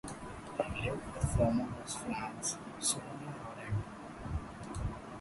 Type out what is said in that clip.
He lived with former Miss France Sonia Rolland.